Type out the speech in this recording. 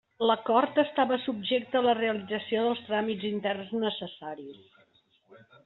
L'acord estava subjecte a la realització dels tràmits interns necessaris.